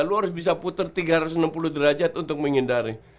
lu harus bisa puter tiga ratus enam puluh derajat untuk menghindari